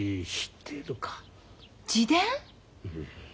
うん。